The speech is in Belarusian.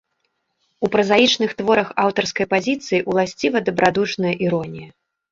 У празаічных творах аўтарскай пазіцыі ўласціва дабрадушная іронія.